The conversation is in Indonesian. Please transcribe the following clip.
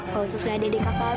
kalau susunya dedek kava habis